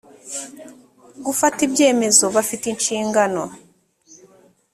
gufata ibyemezo bafite inshingano